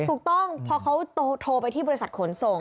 ถูกต้องพอเขาโทรไปที่บริษัทขนส่ง